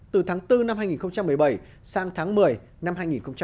từ tháng bốn năm hai nghìn một mươi bảy sang tháng một mươi năm hai nghìn một mươi chín